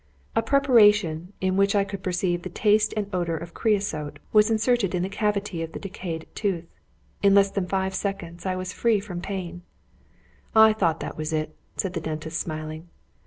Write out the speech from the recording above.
A preparation, in which I could perceive the taste and odour of creosote, was inserted in the cavity of the decayed tooth. In less than five seconds I was free from pain. "I thought that was it," said the dentist, smiling.